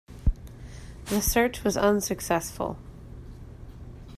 The search was unsuccessful.